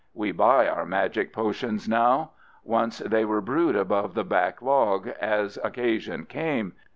We buy our magic potions now. Once they were brewed above the back log, as occasion came.